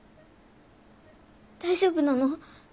大丈夫なの？